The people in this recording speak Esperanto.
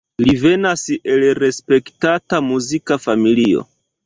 Li venas el respektata muzika familio.